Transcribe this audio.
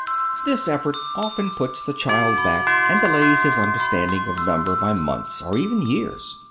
This effort often puts the child back, and delays his understanding of number by months or even years.